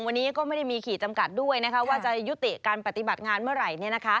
วันนี้ก็ไม่ได้มีขีดจำกัดด้วยว่าจะยุติการปฏิบัติงานเมื่อไหร่